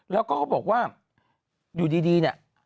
แล้วก็เขาบอกว่าอยู่ดีเนี่ย